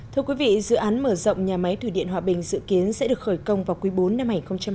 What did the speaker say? thưa quý vị dự án mở rộng nhà máy thủy điện hòa bình dự kiến sẽ được khởi công vào quý bốn năm hai nghìn hai mươi